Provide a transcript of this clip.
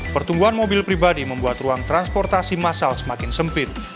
pertumbuhan mobil pribadi membuat ruang transportasi masal semakin sempit